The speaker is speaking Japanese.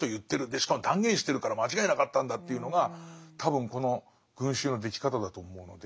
しかも断言してるから間違いなかったんだ」っていうのが多分この群衆のでき方だと思うので。